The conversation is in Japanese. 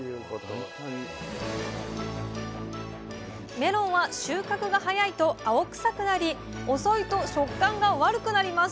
メロンは収穫が早いと青臭くなり遅いと食感が悪くなります。